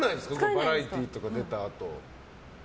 バラエティーとか出たあと。